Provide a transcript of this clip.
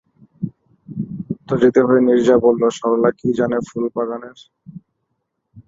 উত্তেজিত হয়ে নীরজা বললে, সরলা কী জানে ফুলের বাগানের।